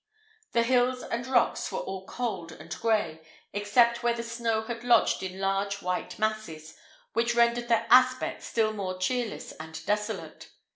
The hills and rocks were all cold and grey, except where the snow had lodged in large white masses, which rendered their aspect still more cheerless and desolate.